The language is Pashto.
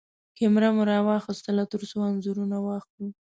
کېمره مو راواخيستله ترڅو انځورونه واخلو.